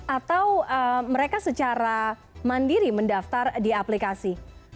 atau mereka secara mandiri mendaftar di aplikasi